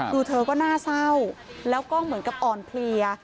คือเธอก็น่าเศร้าแล้วก็เหมือนกับอ่อนเพลีย